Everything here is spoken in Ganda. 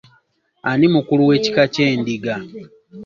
Ani mukulu wekika ky'Endiga?